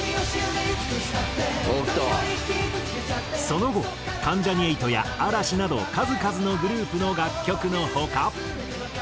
その後関ジャニ∞や嵐など数々のグループの楽曲の他。